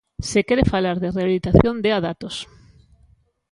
Se quere falar de rehabilitación dea datos.